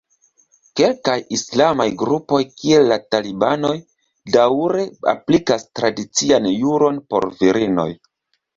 Kelkaj islamaj grupoj kiel la talibanoj daŭre aplikas tradician juron por virinoj.